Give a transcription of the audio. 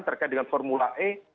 terkait dengan formula e